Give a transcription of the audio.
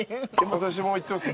私もいってます